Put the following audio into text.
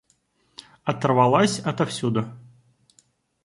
Оторвалась отовсюду!